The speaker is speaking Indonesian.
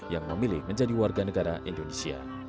yang memilih menjadi warga negara indonesia